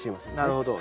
なるほど。